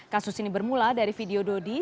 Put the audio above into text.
kasus ini bermula dari video dodi